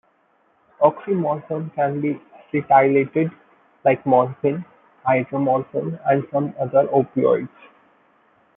Oxymorphone can be acetylated like morphine, hydromorphone, and some other opioids.